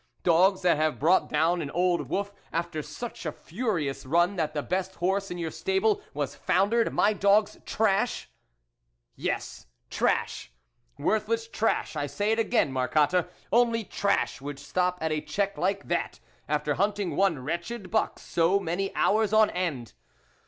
dogs that have brought down an old wolf after such a furious run that the best horse in your stabli was foundered I my dogs trash !" "Yes, trash, worthless trash, I say it again, Marcotte. Only trash would stop at a check like that, after hunting one wretched buck so many hours on end."